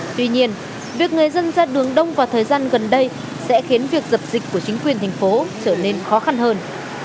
tuy nhiên việc người dân ra đường đông vào thời gian gần đây sẽ khiến việc dập dịch của chính quyền thành phố trở nên khó khăn hơn